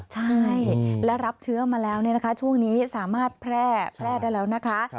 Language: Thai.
ใช่และรับเชื้อมาแล้วช่วงนี้สามารถแพร่ได้แล้วนะคะ